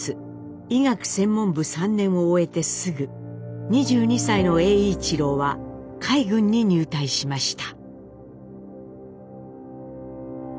医学専門部３年を終えてすぐ２２歳の栄一郎は海軍に入隊しました。